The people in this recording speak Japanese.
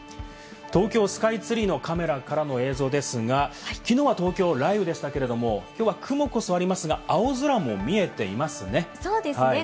東京スカイツリーのカメラからの映像ですが、きのうは東京、雷雨でしたけれども、きょうは雲こそありますが、青空も見えていますね。